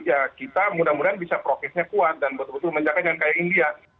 ya kita mudah mudahan bisa profitnya kuat dan betul betul menjaga jalan kaya india